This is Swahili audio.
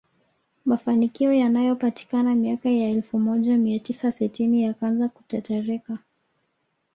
Mafanikio yaliyopatikana miaka ya elfu moja mia tisa sitini yakaanza kutetereka